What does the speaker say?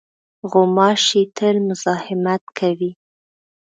غوماشې تل مزاحمت کوي.